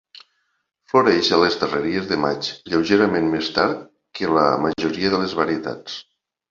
Floreix a les darreries de maig, lleugerament més tard que la majoria de les varietats.